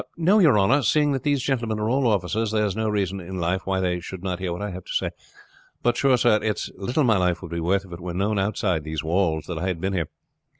"No, your honor; seeing that these gentlemen are all officers there is no reason in life why they should not hear what I have to say. But, sure, sir, it's little my life would be worth if it were known outside these walls that I had been here.